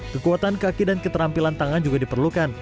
kekuatan kaki dan keterampilan tangan juga diperlukan